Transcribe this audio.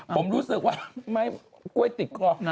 ผมรู้สึกว่าไม่กล้วยติดคอนะ